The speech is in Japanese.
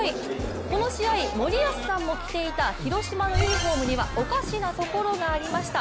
この試合、森保さんも着ていた広島のユニフォームにはおかしなところがありました。